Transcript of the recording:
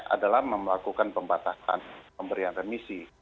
adalah melakukan pembatasan pemberian remisi